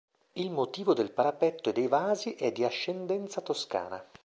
Il motivo del parapetto e dei vasi è di ascendenza toscana.